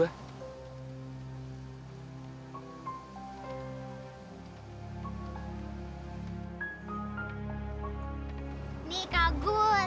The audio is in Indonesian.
selamat tinggal alan